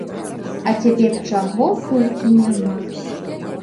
А цяпер чаго толькі няма.